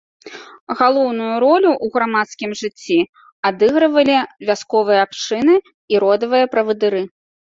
Галоўную ролю ў грамадскім жыцці адыгрывалі вясковыя абшчыны і родавыя правадыры.